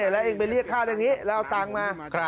และเองไปเรียกเท่าไงแล้วเอาตังมา